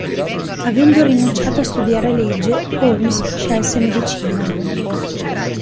Avendo rinunciato a studiare legge, Holmes scelse medicina.